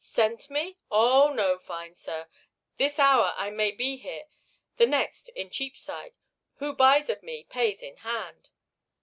"Sent me? Oh, no, fine sir. This hour I may be here, the next in Cheapside. Who buys of me pays in hand."